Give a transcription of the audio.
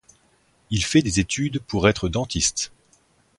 Il fait des études pour être dentiste.